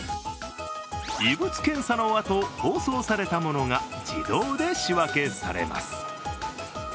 異物検査のあと、包装されたものが自動で仕分けされます。